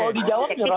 yang ingin dicapai